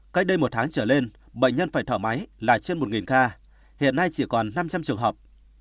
cách đây một tháng trở lên bệnh nhân phải thở máy là trên một ca hiện nay chỉ còn năm trăm linh trường hợp